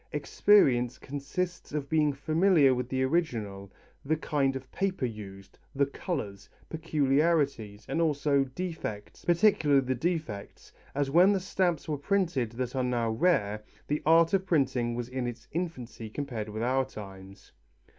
Experience consists of being familiar with the original, the kind of paper used, the colours, peculiarities and also defects, particularly the defects, as when the stamps were printed that are now rare, the art of printing was in its infancy compared with our times.